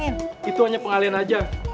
itu hanya pengalian aja